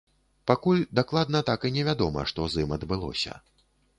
Пакуль дакладна так і не вядома, што з ім адбылося.